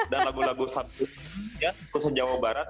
dan lagu lagu sabju ya khusus jawa barat